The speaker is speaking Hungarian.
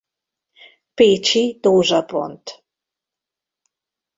Pécsi Dózsa pont